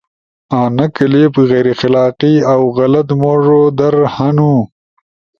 انا کلپ غیر اخلاقی اؤ غلط موڙو در ہنو